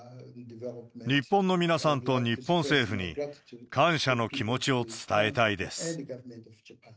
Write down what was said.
日本の皆さんと日本政府に感謝の気持ちを伝えたいです。